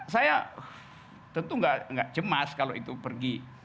saya tentu tidak cemas kalau itu pergi